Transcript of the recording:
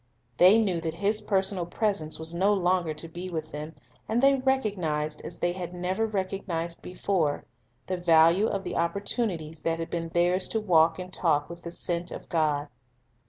They knew that His personal presence was no longer to be with them, and they recognized, as they had never recognized before, the value of the oppor tunities that had been theirs to walk and talk with the Sent of God.